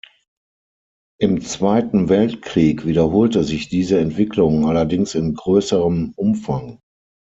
Im Zweiten Weltkrieg wiederholte sich diese Entwicklung, allerdings in größerem Umfang.